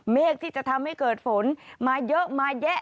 เมฆที่จะทำให้เกิดฝนมาเยอะมาแยะ